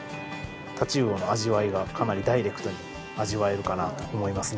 タチウオの味わいがかなりダイレクトに味わえるかなと思いますね。